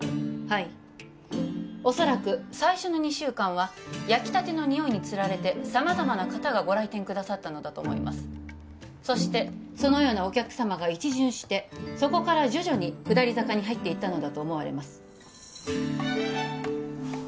はい恐らく最初の２週間は焼きたての匂いにつられて様々な方がご来店くださったのだと思いますそしてそのようなお客様が一巡してそこから徐々に下り坂に入っていったのだと思われます